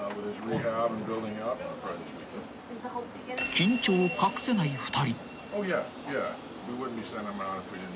［緊張を隠せない２人］